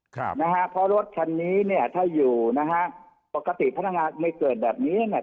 เพราะรถชั้นนี้ถ้าอยู่ปกติพนักงานไม่เกิดแบบนี้